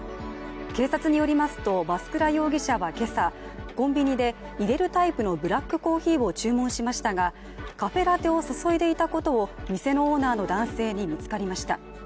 警察によりますと、増倉容疑者は今朝、コンビニで、入れるタイプのブラックコーヒーを注文しましたがカフェラテを注いでいたことを店のオーナーの男性に見つかりました。